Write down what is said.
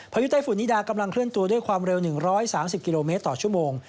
ยุไต้ฝุ่นนิดากำลังเคลื่อนตัวด้วยความเร็ว๑๓๐กิโลเมตรต่อชั่วโมง